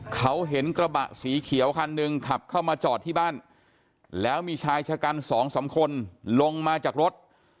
เขาเห็นกระบะสีเขียวคันหนึ่งขับเข้ามาจอดที่บ้านแล้วมีชายชะกันสองสามคนลงมาจากรถ